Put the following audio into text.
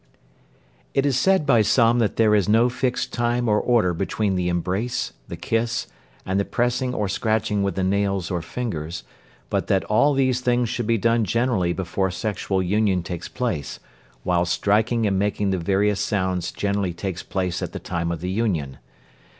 It is said by some that there is no fixed time or order between the embrace, the kiss, and the pressing or scratching with the nails or fingers, but that all these things should be done generally before sexual union takes place, while striking and making the various sounds generally takes place at the time of the union.